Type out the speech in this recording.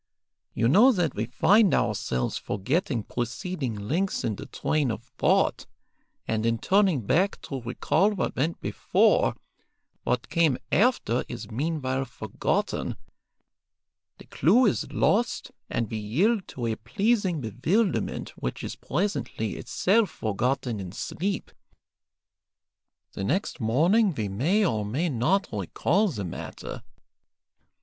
You know that we find ourselves forgetting preceding links in the train of thought, and in turning back to recall what went before, what came after is meanwhile forgotten, the clue is lost, and we yield to a pleasing bewilderment which is presently itself forgotten in sleep. The next morning we may or may not recall the matter.